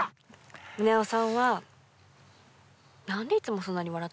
宗男さんは何でいつもそんなに笑ってんの？